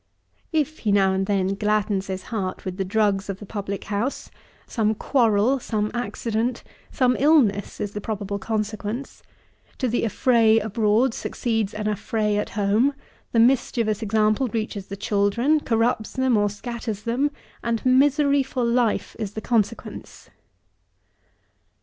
If he now and then gladdens his heart with the drugs of the public house, some quarrel, some accident, some illness, is the probable consequence; to the affray abroad succeeds an affray at home; the mischievous example reaches the children, corrupts them or scatters them, and misery for life is the consequence.